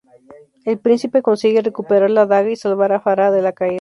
El Príncipe consigue recuperar la Daga y salvar a Farah de la caída.